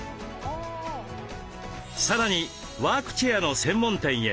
さらにワークチェアの専門店へ。